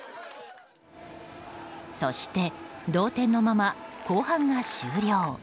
そして、同点のまま後半が終了。